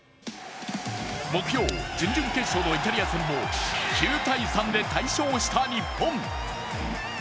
木曜、準々決勝のイタリア戦も９−３で快勝した日本。